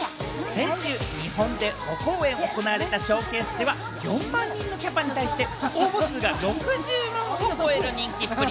先週、日本で５公演行われたショーケースでは、４万人のキャパに対して、応募数が６０万人を超える人気っぷり。